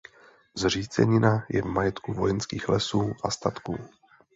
Zřícenina je v majetku Vojenských lesů a statků.